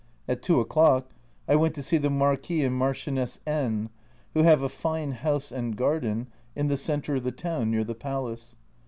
At two o'clock I went to see the Marquis and Marchioness N , who have a fine house and garden in the centre of the town near the palace.